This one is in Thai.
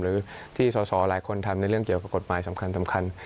หรือที่สอสอหลายคนทำในเรื่องเกี่ยวกับกฎหมายสำคัญ